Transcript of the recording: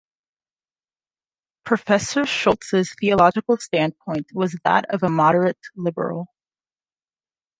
Professor Schultz's theological standpoint was that of a moderate liberal.